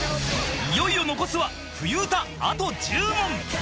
［いよいよ残すは冬うたあと１０問］